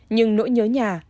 nhưng nỗi nhớ nhà